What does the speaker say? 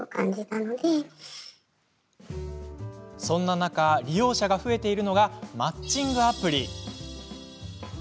そんな中、利用者が増えているのがマッチングアプリ。